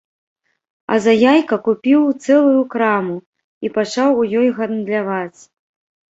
А за яйка купіў цэлую краму і пачаў у ёй гандляваць.